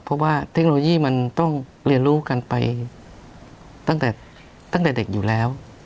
เพราะว่าเทคโนโลยีมันต้องเรียนรู้กันไปตั้งแต่เด็กอยู่แล้ว